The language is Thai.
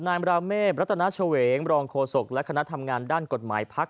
มราเมฆรัฐนาเฉวงรองโฆษกและคณะทำงานด้านกฎหมายพัก